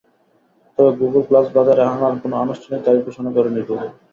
তবে Google Glass বাজারে আনার কোনো আনুষ্ঠানিক তারিখ ঘোষণা করেনি গুগল।